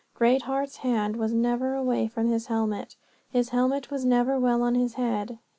Greatheart's hand was never away from his helmet. His helmet was never well on his head.